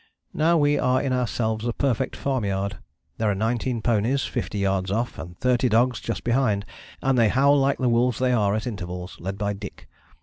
Now we are in ourselves a perfect farmyard. There are nineteen ponies fifty yards off and thirty dogs just behind, and they howl like the wolves they are at intervals, led by Dyk.